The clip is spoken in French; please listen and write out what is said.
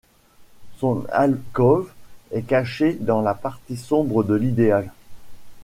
Son alcôve est cachée dans la partie sombre de l’idéal.